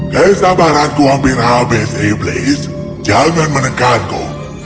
keh sabaranku hampir habis iblis jangan menengkanku